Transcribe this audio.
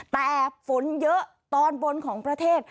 แต่ฝนเยอะตอนบนของประเทศ